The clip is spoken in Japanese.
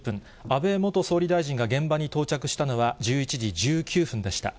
安倍元総理大臣が現場に到着したのは１１時１９分でした。